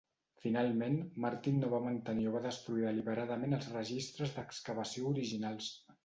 Finalment, Martin no va mantenir o va destruir deliberadament els registres d'excavació originals.